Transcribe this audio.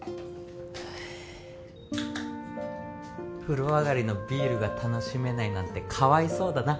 風呂上がりのビールが楽しめないなんてかわいそうだな